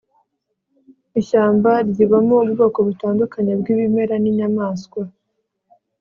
ishyamba ryibamo ubwoko butandukanye bwibimera ninyamaswa